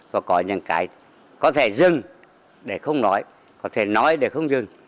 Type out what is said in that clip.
và có những cái có thể dừng để không nói có thể nói để không dừng